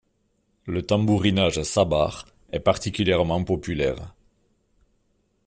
Le tambourinage sabar est particulièrement populaire.